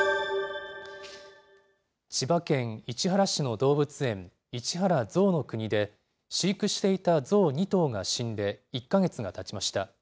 千葉県市原市の動物園、市原ぞうの国で、飼育していたゾウ２頭が死んで１か月がたちました。